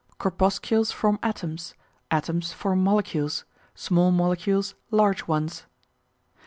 Corpuscles form atoms, atoms form molecules, small molecules large ones.